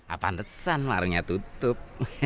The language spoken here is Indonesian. apaan resan warnanya tutup